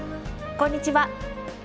こんにちは。